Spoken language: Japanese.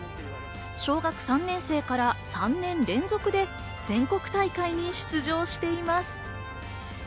小学３年生から３年連続で全国大会に出場しています。